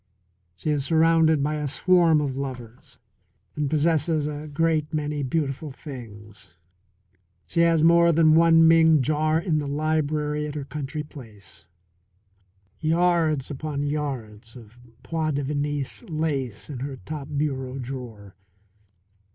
She is surrounded by a swarm of lovers and possesses a great many beautiful things. She has more than one Ming jar in the library at her country place; yards upon yards of point de Venise in her top bureau drawer.